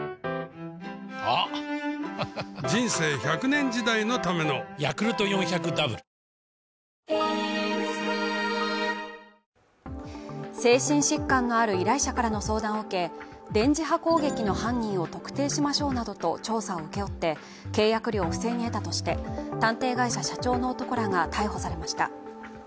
日本独自の脱炭素化はできるのか、精神疾患のある依頼者からの相談を受け、電磁波攻撃の犯人を特定しましょうなどと調査を請け負って契約料を不正に得たとして探偵会社社長の男らが逮捕されました。